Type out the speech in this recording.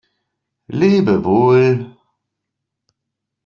Lebe wohl!